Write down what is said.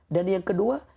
dan yang kedua